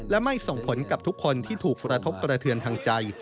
และไม่ส่งผลกับทุกคนที่ถูกกระทบกระเทือนทางใจ